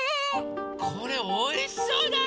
これおいしそうだね！